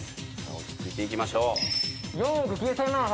落ち着いていきましょう。